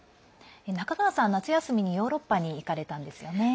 中川さんは夏休みにヨーロッパに行かれたんですよね。